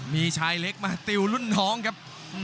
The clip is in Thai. มีชายเล็กมาติวรุ่นน้องครับ